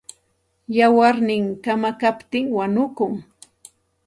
Wayarnin kamakaptin wanukun.